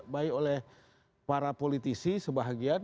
baik oleh para politisi sebagian